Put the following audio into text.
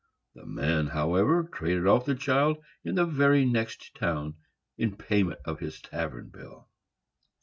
The man, however, traded off the child in the very next town, in payment of his tavern bill.